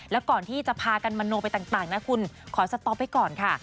แล้วก่อนที่จะพากันมโนไปต่างนะคุณขอสต๊อปไว้ก่อนค่ะ